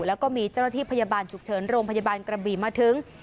แล้วก็มีเจ้าหน้าที่พยาบาลฉุกเฉินโรงพยาบาลกระบี่มาถึง